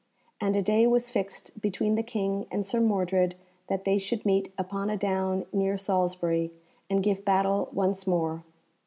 And a day was fixed between the King and Sir Mordred that they should meet upon a down near Salisbury, and give battle once more.